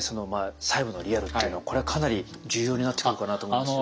細部のリアルっていうのをこれはかなり重要になってくるかなと思うんですけど。